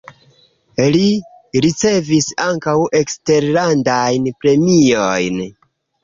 Li ricevis ankaŭ eksterlandajn premiojn.